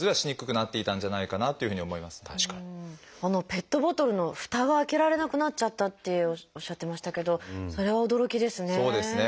ペットボトルのふたが開けられなくなっちゃったっておっしゃってましたけどそれは驚きですね。